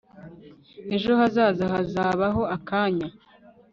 Ejo hazaza hazabaho akanya